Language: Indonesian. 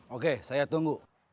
oke saya tunggu